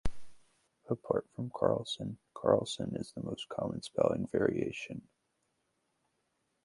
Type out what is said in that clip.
Apart from "Karlsson", "Carlsson" is the most common spelling variation.